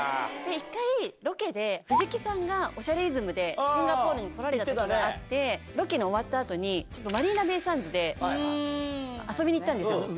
１回、ロケで藤木さんがおしゃれイズムでシンガポールに来られたときがあって、ロケが終わったあとに、ちょっとマリーナベイ・サンズで遊びに行ったんですよ。